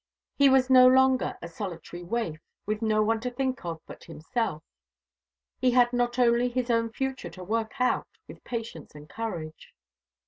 He was no longer a solitary waif, with no one to think of but himself. He had not only his own future to work out with patience and courage.